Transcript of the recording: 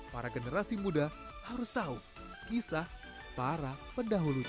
para generasi muda harus tahu kisah para pendahulunya